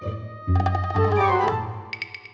sinnya kayak rhx